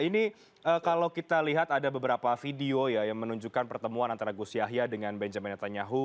ini kalau kita lihat ada beberapa video ya yang menunjukkan pertemuan antara gus yahya dengan benjamin netanyahu